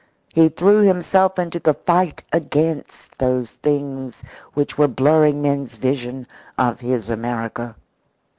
he threw himself into the fight against those things which were blurring men's vision of his America.